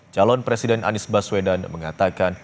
calon presiden anies baswedan mengatakan